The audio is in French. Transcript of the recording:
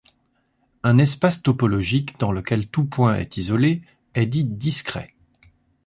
Un espace topologique dans lequel tout point est isolé est dit discret.